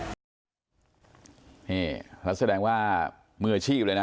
นี่แล้วแสดงว่ามืออาชีพเลยนะ